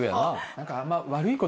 何かあんま。